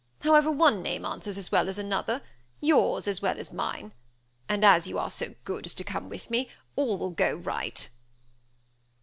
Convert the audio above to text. However, one name answers as well as another. Yours as well as mine. And as you are so good as to come with me, all will go right."